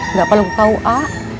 nggak perlu kau a